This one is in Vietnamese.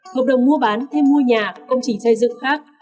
hợp đồng mua bán thêm mua nhà công trình xây dựng khác